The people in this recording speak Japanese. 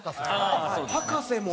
あっ博士も！